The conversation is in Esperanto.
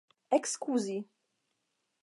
ekskuzi